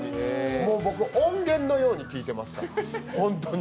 僕、音源のように聴いてますから。